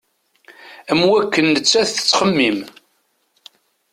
Am wakken nettat tettxemmim.